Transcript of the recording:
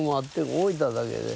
置いただけで。